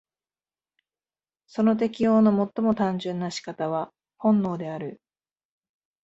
その適応の最も単純な仕方は本能である。